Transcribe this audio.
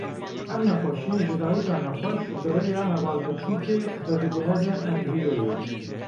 Ev nexweşî ji dayika nexweş bi rêya hevalbiçûkê vediguhêze embriyoyê.